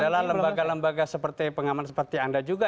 adalah lembaga lembaga seperti pengaman seperti anda juga